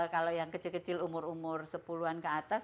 kalau yang kecil kecil umur umur sepuluh an ke atas